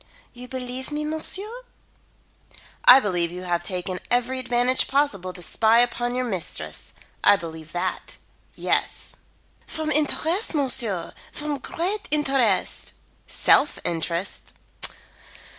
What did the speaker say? You believe me, monsieur?" "I believe you to have taken every advantage possible to spy upon your mistress. I believe that, yes." "From interest, monsieur, from great interest." "Self interest."